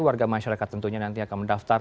warga masyarakat tentunya nanti akan mendaftar